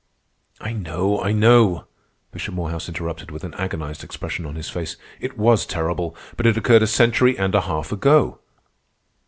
"I know, I know," Bishop Morehouse interrupted with an agonized expression on his face. "It was terrible. But it occurred a century and a half ago."